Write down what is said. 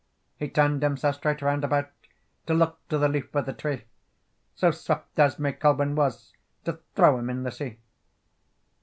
He turned himself straight round about, To look to the leaf of the tree, So swift as May Colven was To throw him in the sea.